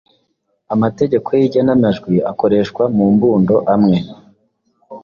Amategeko y’igenamajwi akoreshwa mu mbundo amwe